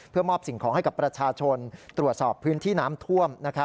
เพื่อมอบสิ่งของให้กับประชาชนตรวจสอบพื้นที่น้ำท่วม